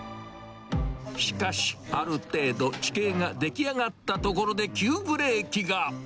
しかし、ある程度地形が出来上がったところで急ブレーキが。